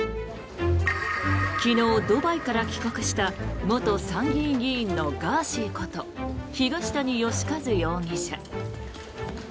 昨日、ドバイから帰国した元参議院議員のガーシーこと東谷義和容疑者。